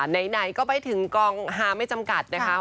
ไหนก็ไปถึงกองฮาไม่จำกัดนะคะ